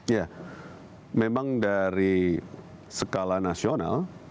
ya memang dari skala nasional